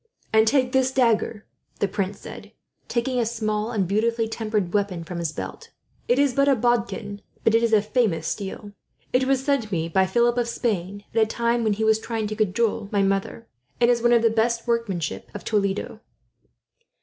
"And take this dagger," the prince said, taking a small and beautifully tempered weapon from his belt. "It is but a bodkin, but it is of famous steel. It was sent me by Philip of Spain, at a time when he was trying to cajole my mother, and is of the best workmanship of Toledo."